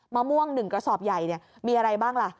มะม่วง๑กระสอบใหญ่มีอะไรบ้างล่ะ